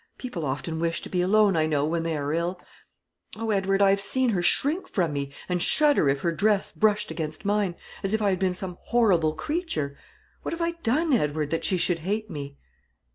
People often wish to be alone, I know, when they are ill. O Edward, I have seen her shrink from me, and shudder if her dress brushed against mine, as if I had been some horrible creature. What have I done, Edward, that she should hate me?"